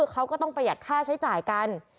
เขาก็ต้องประหยัดค่าใช้จ่ายกัน